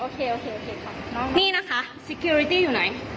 โอเคค่ะนี่นะคะอยู่ไหน